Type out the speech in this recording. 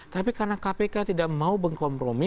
tapi karena kpk tidak mau mengkompromi